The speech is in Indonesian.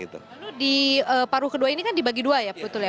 lalu di paruh kedua ini kan dibagi dua ya